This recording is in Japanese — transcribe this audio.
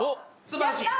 すばらしい！